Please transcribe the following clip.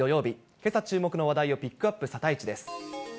けさ注目の話題をピックアップ、サタイチです。